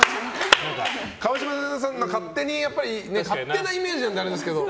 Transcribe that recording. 川嶋さんの勝手なイメージなんであれですけど。